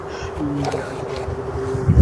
আজ তাহাতে রমেশের মনটা কিছু দমিয়া গেল।